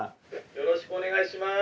「よろしくお願いします」